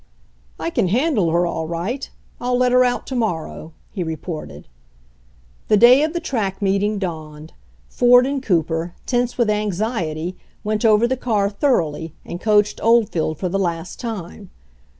"I can handle her all right. I'll let her out to morrow," he reported. The day of the track meeting dawned. Ford and Cooper, tense with anxiety, went over the car thoroughly and coached Oldfield for the last time.